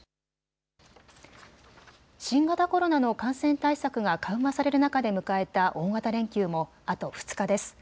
新型コロナの感染対策が緩和される中で迎えた大型連休もあと２日です。